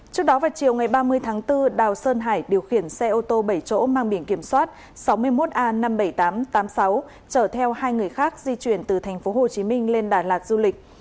trước đó vào chiều ngày ba mươi tháng bốn đào sơn hải điều khiển xe ô tô bảy chỗ mang biển kiểm soát sáu mươi một a năm mươi bảy nghìn tám trăm tám mươi sáu trở theo hai người khác di chuyển từ thành phố hồ chí minh lên đà lạt du lịch